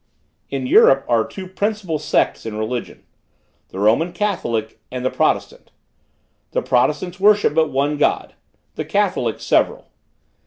"In Europe are two principal sects in religion; the Roman catholic and the protestant. The protestants worship but one God; the catholics, several.